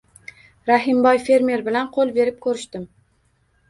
Rahimboy fermer bilan qo‘l berib ko‘rishdim